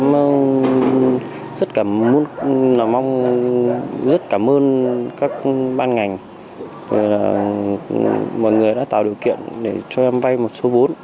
mình rất cảm ơn các ban ngành mọi người đã tạo điều kiện cho em vay một số vốn